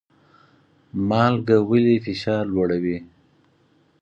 مالګه ولې فشار لوړوي؟